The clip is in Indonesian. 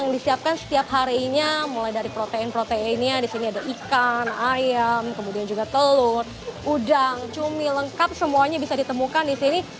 disiapkan setiap harinya mulai dari protein proteinnya disini ada ikan ayam kemudian juga telur udang cumi lengkap semuanya bisa ditemukan disini